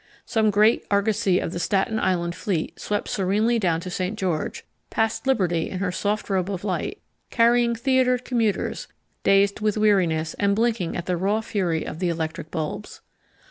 Some great argosy of the Staten Island fleet swept serenely down to St. George, past Liberty in her soft robe of light, carrying theatred commuters, dazed with weariness and blinking at the raw fury of the electric bulbs.